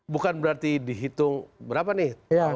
bukan berarti dihitung berapa nih